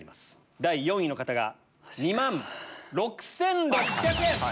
第４位の方が２万６６００円！